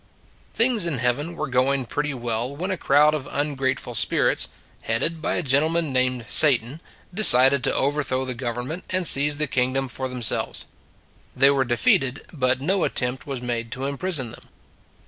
Things in Heaven were going pretty well when a crowd of ungrateful spirits, headed by a gentleman named Satan, de cided to overthrow the government and seize the kingdom for themselves. They were defeated but no attempt was made to imprison them.